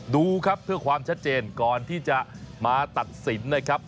ดูครับเพื่อความชัดเจนก่อนที่จะมาตัดสินนะครับ